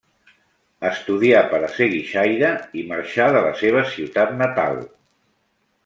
Estudià per a ser guixaire i marxà de la seva ciutat natal.